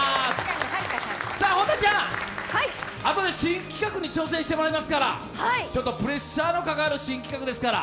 本田ちゃん、あとで新企画に挑戦してもらいますから、プレッシャーのかかる新企画ですから。